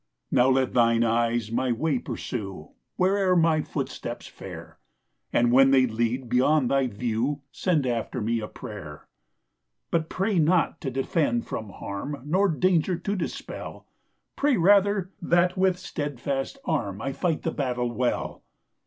Now let thine eyes my way pursue Where'er my footsteps fare; And when they lead beyond thy view, Send after me a prayer. But pray not to defend from harm, Nor danger to dispel; Pray, rather, that with steadfast arm I fight the battle well.